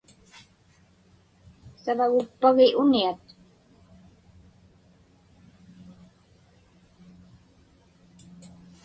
Savagukpagi uniat?